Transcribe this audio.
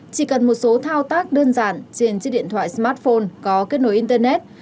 chỉ cần một số thao tác đơn giản trên chiếc điện thoại smartphone có kết nối internet